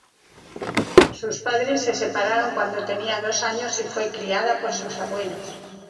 Sus padres se separaron cuando tenía dos años y fue criada por sus abuelos.